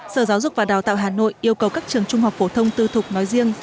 sở giáo dục và đào tạo hà nội yêu cầu các trường trung học phổ thông tư thục nói riêng